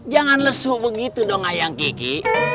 jangan lesu begitu dong ayang gigi